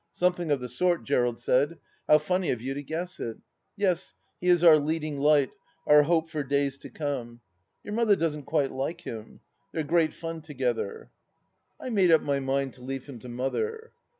" Something of the sort," Gerald said. " How funny of you to guess it I Yes, he is our leading light, our hope for days to come !... Your mother doesn't quite like him. They're great fun together." I made up my mind to leave him to Mother.